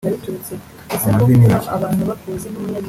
amavi n’intoki